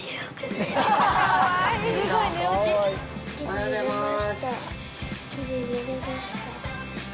おはようございます。